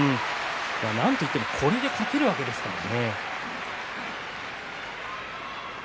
なんといってもこれで勝てるわけですからね。